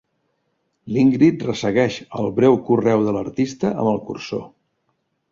L'Ingrid ressegueix el breu correu de l'artista amb el cursor.